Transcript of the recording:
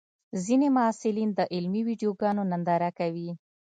ځینې محصلین د علمي ویډیوګانو ننداره کوي.